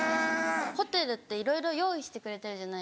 ホテルっていろいろ用意してくれてるじゃないですか。